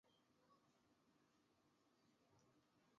淡红舞蛛为狼蛛科舞蛛属的动物。